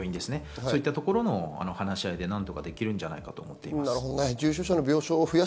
そういったところも話し合いで何とかできるんじゃないかと思います。